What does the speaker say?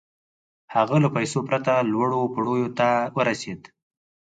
هغه له پيسو پرته لوړو پوړيو ته ورسېد.